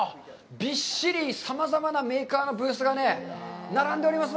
びっしり、さまざまなメーカーのブースが並んでおります。